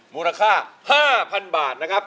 มูลค่า๕๐๐๐บาทนะครับ